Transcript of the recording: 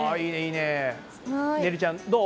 ねるちゃんどう？